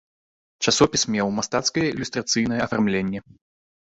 Часопіс меў мастацкае ілюстрацыйнае афармленне.